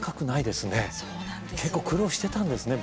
結構苦労してたんですね